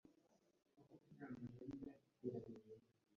Matama yarebye neza Joyci.